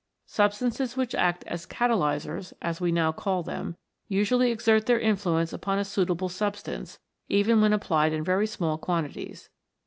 Substances which act as Cata lysers, as we now call them, usually exert their influence upon a suitable substance, even when applied in very small quantities.